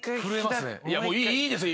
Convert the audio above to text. もういいですよ！